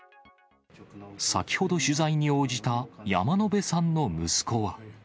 先ほど取材に応じた、山野辺さんの息子は。